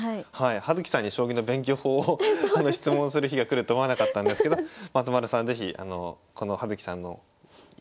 葉月さんに将棋の勉強法を質問する日が来ると思わなかったんですけど松丸さん是非この葉月さんの聞いたのを生かして頑張ってみてください。